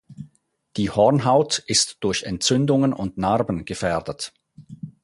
Die Hornhaut ist durch Entzündungen und Narben gefährdet.